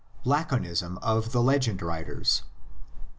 LACONISM OF THE LEGEND WRITERS.